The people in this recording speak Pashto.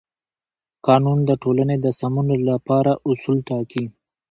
قانون د ټولنې د سمون لپاره اصول ټاکي.